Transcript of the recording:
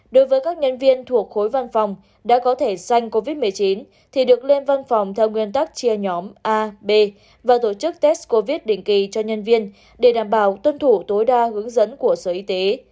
đối với các nhân viên thuộc khối văn phòng đã có thể xanh covid một mươi chín thì được lên văn phòng theo nguyên tắc chia nhóm a b và tổ chức test covid định kỳ cho nhân viên để đảm bảo tuân thủ tối đa hướng dẫn của sở y tế